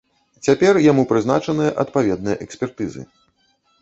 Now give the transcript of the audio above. Цяпер яму прызначаныя адпаведныя экспертызы.